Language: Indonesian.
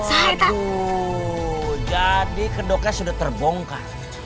aduh jadi kedoknya sudah terbongkar